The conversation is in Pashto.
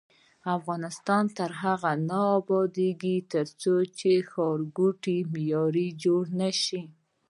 افغانستان تر هغو نه ابادیږي، ترڅو ښارګوټي معیاري جوړ نشي.